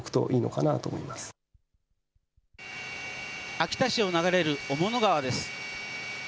秋田市を流れる雄物川です。